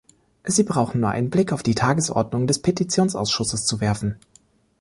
Sie brauchen nur einen Blick auf die Tagesordnung des Petitionsausschusses zu werfen.